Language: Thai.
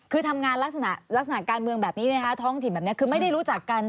คือทำงานลักษณะการเมืองแบบนี้นะคะท้องถิ่นแบบนี้คือไม่ได้รู้จักกัน